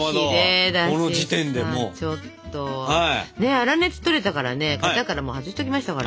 粗熱とれたからね型からもう外しときましたから。